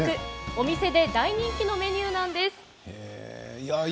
お店で大人気のメニューなんです。